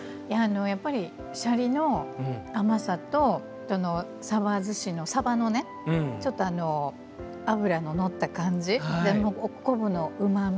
やっぱりシャリの甘さとさばずしのさばのねちょっと脂の乗った感じでお昆布のうまみ